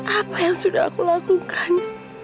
apa yang sudah aku lakukan